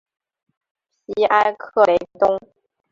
皮埃克雷东。